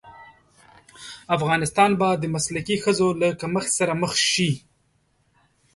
افغانستان به د مسلکي ښځو له کمښت سره مخ شي.